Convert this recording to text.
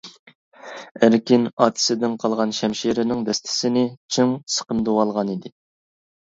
ئەركىن ئاتىسىدىن قالغان شەمشىرىنىڭ دەستىسىنى چىڭ سىقىمدىۋالغانىدى.